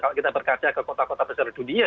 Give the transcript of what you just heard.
kalau kita berkaca ke kota kota besar dunia